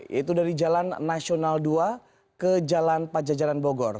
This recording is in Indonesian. yaitu dari jalan nasional dua ke jalan pajajaran bogor